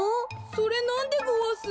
それなんでごわす？